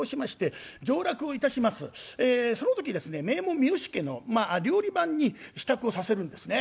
その時ですね名門三好家のまあ料理番に支度をさせるんですね。